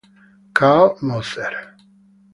Carl Moser